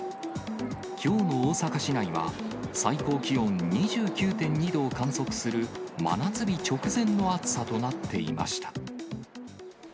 きょうの大阪市内は、最高気温２９．２度を観測する、真夏日直前の暑さとなっていまし